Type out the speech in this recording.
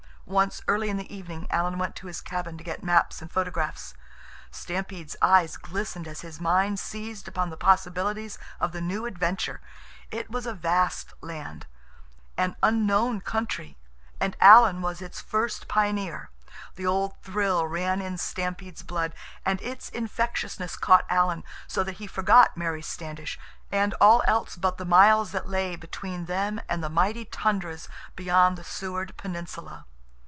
Once, early in the evening, Alan went to his cabin to get maps and photographs. Stampede's eyes glistened as his mind seized upon the possibilities of the new adventure. It was a vast land. An unknown country. And Alan was its first pioneer. The old thrill ran in Stampede's blood, and its infectiousness caught Alan, so that he forgot Mary Standish, and all else but the miles that lay between them and the mighty tundras beyond the Seward Peninsula.